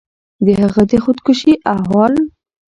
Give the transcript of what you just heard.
د هغه د خودکشي احوال